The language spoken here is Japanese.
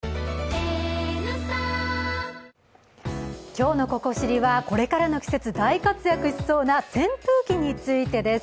今日の「ここ知り」は、これからの季節、大活躍しそうな扇風機についてです。